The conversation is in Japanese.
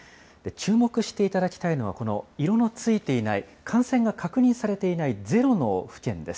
注目していただきたいのは、この色のついていない、感染が確認されていないゼロの府県です。